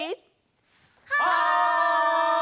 はい！